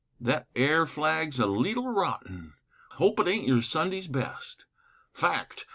Thet air flag's a leetle rotten, Hope it aint your Sunday's best; Fact!